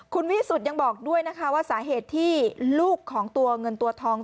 คุณวิสุทธิ์ยังบอกด้วยนะคะว่าสาเหตุที่ลูกของตัวเงินตัวทอง